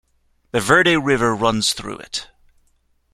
The Verde River runs through it.